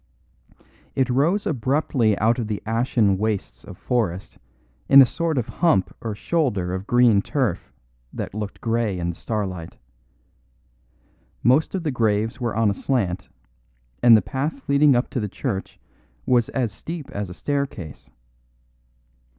It rose abruptly out of the ashen wastes of forest in a sort of hump or shoulder of green turf that looked grey in the starlight. Most of the graves were on a slant, and the path leading up to the church was as steep as a staircase.